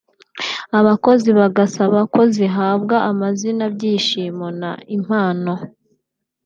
abakozi bagasaba ko zihabwa amazina Byishimo na Impano